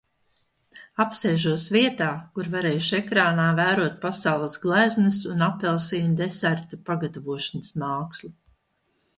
Apsēžos vietā, kur varēšu ekrānā vērot pasaules gleznas un apelsīnu deserta pagatavošanas mākslu.